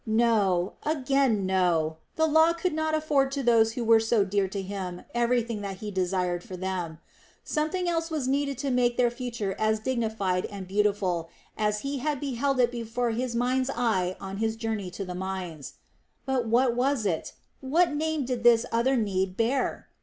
No, again no! The Law could not afford to those who were so dear to him everything that he desired for them. Something else was needed to make their future as dignified and beautiful as he had beheld it before his mind's eye on his journey to the mines. But what was it, what name did this other need bear?